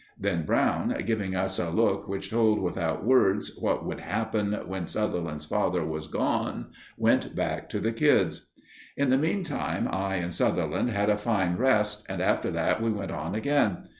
Then Brown, giving us a look which told without words what would happen when Sutherland's father was gone, went back to the kids. In the meantime, I and Sutherland had a fine rest, and after that we went on again.